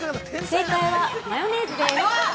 ◆正解はマヨネーズです。